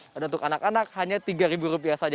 dan untuk anak anak hanya tiga ribu rupiah saja